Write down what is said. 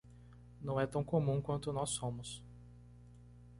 Não é tão comum quanto nós somos